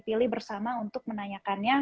pilih bersama untuk menanyakannya